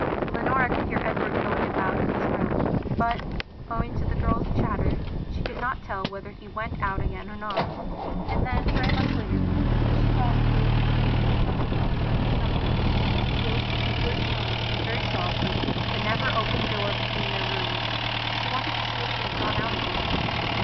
Leonora could hear Edward going about in his room, but, owing to the girl's chatter, she could not tell whether he went out again or not. And then, very much later, because she thought that if he were drinking again something must be done to stop it, she opened for the first time, and very softly, the never opened door between their rooms. She wanted to see if he had gone out again.